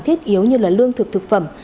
thiết yếu như lương thực thực phẩm